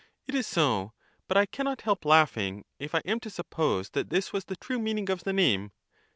It is so ; but I cannot help laughing, if I am to Cratyius. suppose that this was the true meaning of the name.